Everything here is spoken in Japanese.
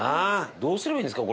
どうすればいいんですか？